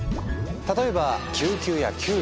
例えば救急や救助。